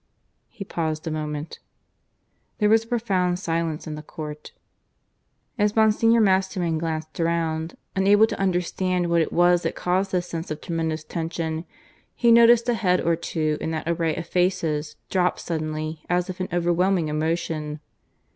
He paused a moment. There was a profound silence in the court. As Monsignor Masterman glanced round, unable to understand what it was that caused this sense of tremendous tension, he noticed a head or two in that array of faces drop suddenly as if in overwhelming emotion.